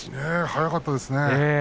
速かったですね。